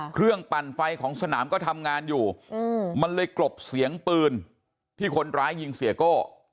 ปั่นไฟของสนามก็ทำงานอยู่มันเลยกลบเสียงปืนที่คนร้ายยิงเสียโก้